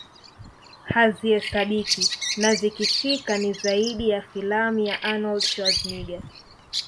hazihesabiki na zikifika ni zaidi ya filamu ya Arnold Schwarzenegger